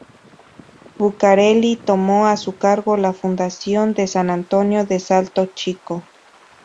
Bucarelli tomó a su cargo la fundación de San Antonio de Salto Chico.